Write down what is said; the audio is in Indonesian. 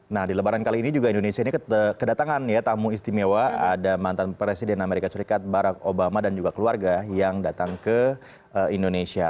nah di lebaran kali ini juga indonesia ini kedatangan ya tamu istimewa ada mantan presiden amerika serikat barack obama dan juga keluarga yang datang ke indonesia